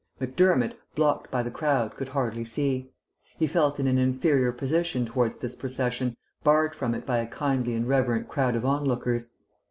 Macdermott, blocked by the crowd, could hardly see. He felt in an inferior position towards this procession, barred from it by a kindly and reverent crowd of onlookers.